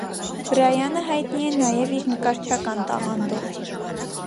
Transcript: Բրայանը հայտնի է նաև իր նկարչական տաղանդով։